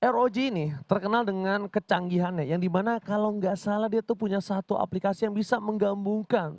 rog ini terkenal dengan kecanggihannya yang dimana kalau nggak salah dia tuh punya satu aplikasi yang bisa menggambungkan